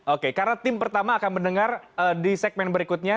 oke karena tim pertama akan mendengar di segmen berikutnya